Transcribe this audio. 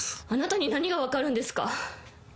あなたに何が分かるんですか？